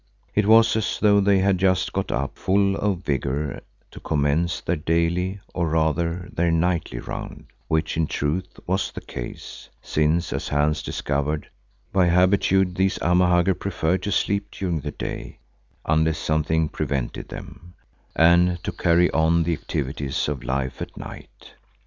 It was as though they had just got up full of vigour to commence their daily, or rather their nightly round, which in truth was the case, since as Hans discovered, by habitude these Amahagger preferred to sleep during the day unless something prevented them, and to carry on the activities of life at night.